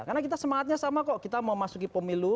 karena kita semangatnya sama kok kita mau masuki pemilu